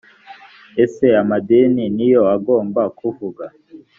ese amadini ni yo agomba kuvuga